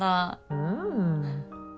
うん。